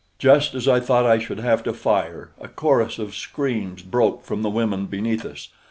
Just as I thought I should have to fire, a chorus of screams broke from the women beneath us.